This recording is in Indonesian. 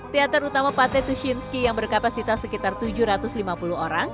teater utama pate tushinski yang berkapasitas sekitar tujuh ratus lima puluh orang